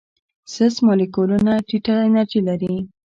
سست مالیکولونه ټیټه انرژي لري.